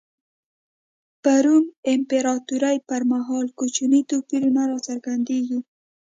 په روم امپراتورۍ پر مهال کوچني توپیرونه را څرګندېږي.